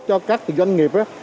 cho các doanh nghiệp